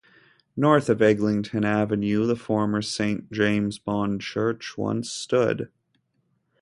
North of Eglinton Avenue, the former Saint James-Bond Church once stood.